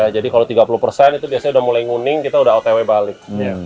jadi kalau tiga puluh itu biasanya sudah mulai nguning kita sudah otw balik